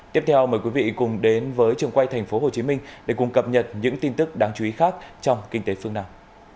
tiếp theo mời quý vị cùng đến với trường quay tp hcm để cùng cập nhật những tin tức đáng chú ý khác trong kinh tế phương nam